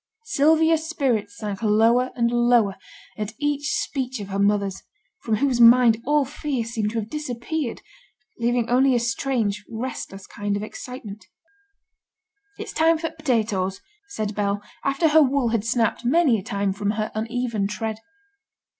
Sylvia's spirits sank lower and lower at each speech of her mother's, from whose mind all fear seemed to have disappeared, leaving only a strange restless kind of excitement. 'It's time for t' potatoes,' said Bell, after her wool had snapped many a time from her uneven tread.